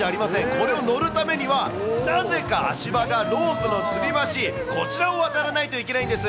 これを乗るためには、なぜか足場がロープのつり橋、こちらを渡らないといけないんです。